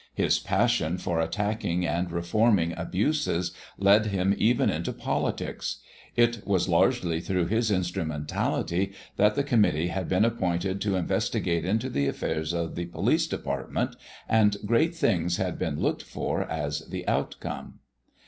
His passion for attacking and reforming abuses led him even into politics. It was largely through his instrumentality that the committee had been appointed to investigate into the affairs of the police department, and great things had been looked for as the outcome.